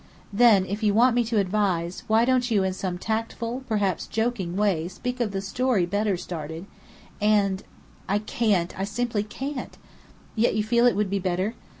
"Then, if you want me to advise, why don't you in some tactful, perhaps joking way, speak of the story Bedr started, and " "I can't I simply can't." "Yet you feel it would be better?"